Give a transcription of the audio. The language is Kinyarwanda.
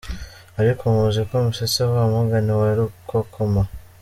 Ariko muzi ko musetsa wamugani wa rukokoma!